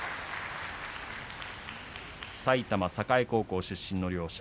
埼玉栄高校出身の両者。